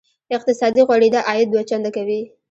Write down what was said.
اقتصادي غوړېدا عاید دوه چنده کوي.